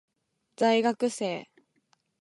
在学生